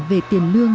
về tiền lương